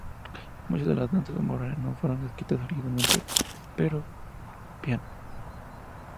Muchas de las danzas de Morel no fueron escritas originalmente para piano.